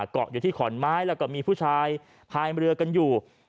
เกาะอยู่ที่ขอนไม้แล้วก็มีผู้ชายพายเรือกันอยู่